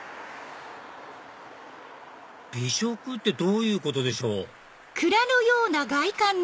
美食ってどういうことでしょう？